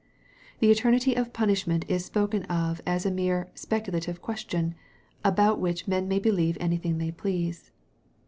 The eternity of punishment is spoken of as a mere " speculative question," about which men may believe anything they please.